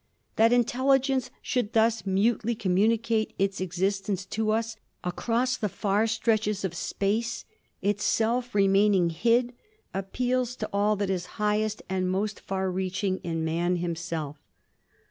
That intelligence should thus mutely communicate its ex istence to us across the far stretches of space, itself re maining hid, appeals to all that is highest and most far reaching in man himself.